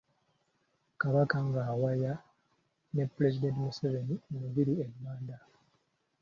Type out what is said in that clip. Kabaka ng'awaya ne pulezidenti Museveni mu lubiri e Banda.